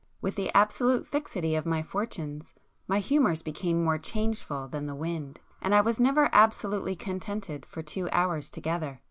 With the absolute fixity of my fortunes, my humours became more changeful than the wind, and I was never absolutely contented for two hours together.